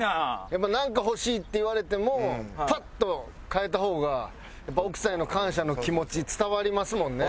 やっぱりなんか欲しいって言われてもパッと買えた方がやっぱり奥さんへの感謝の気持ち伝わりますもんね。